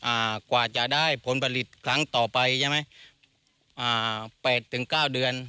อ่ากว่าจะได้ผลผลิตครั้งต่อไปใช่ไหมอ่าแปดถึงเก้าเดือน